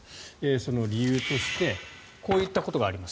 その理由としてこういったことがあります。